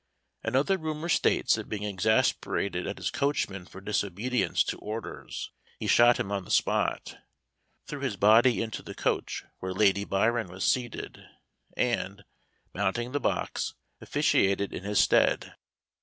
Another rumor states that being exasperated at his coachman for disobedience to orders, he shot him on the spot, threw his body into the coach where Lady Byron was seated, and, mounting the box, officiated in his stead.